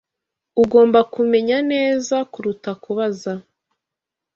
Ugomba kumenya neza kuruta kubaza.